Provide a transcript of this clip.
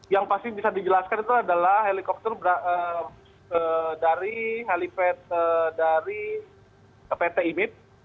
yang pasti bisa dijelaskan itu adalah helikopter dari pt inip